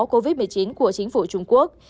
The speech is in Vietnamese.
covid một mươi chín của chính phủ trung quốc